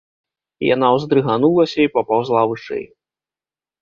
Яна ўздрыганулася і папаўзла вышэй.